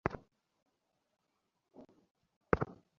Police তোকে কেন গ্রেফতার করেছে?